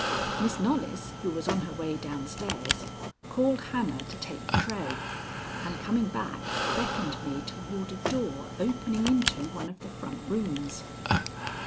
Miss Knollys, who was on her way down stairs, called Hannah to take the tray, and, coming back, beckoned me toward a door opening into one of the front rooms.